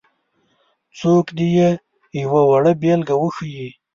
څوک دې یې یوه وړه بېلګه وښيي.